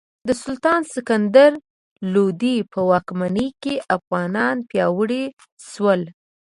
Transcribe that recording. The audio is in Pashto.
د سلطان سکندر لودي په واکمنۍ کې افغانان پیاوړي شول.